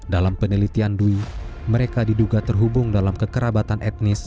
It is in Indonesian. dalam penelitian dwi mereka diduga terhubung dalam kekerabatan etnis